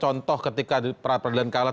contoh ketika peradilan kalah